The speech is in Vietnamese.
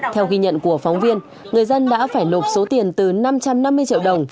theo ghi nhận của phóng viên người dân đã phải nộp số tiền từ năm trăm năm mươi triệu đồng